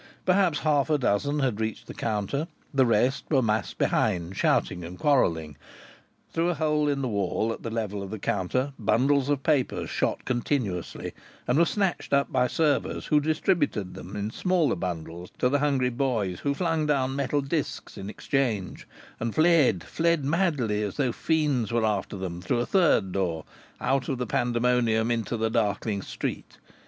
Perhaps half a dozen had reached the counter; the rest were massed behind, shouting and quarrelling. Through a hole in the wall, at the level of the counter, bundles of papers shot continuously, and were snatched up by servers, who distributed them in smaller bundles to the hungry boys; who flung down metal discs in exchange and fled, fled madly as though fiends were after them, through a third door, out of the pandemonium into the darkling street.